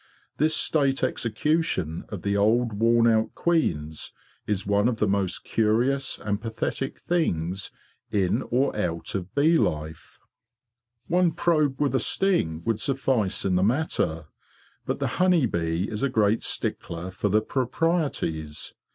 This State execution of the old worn out queens is one of the most curious and pathetic things in or out of bee life. One probe with a sting would suffice in the matter; but the 138 THE BEE MASTER OF WARRILOW honey bee is a great stickler for the proprieties.